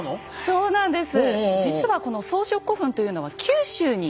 そうなんです。